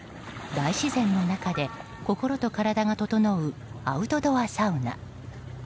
大自然の中で心と体が整うアウトドアサウナ。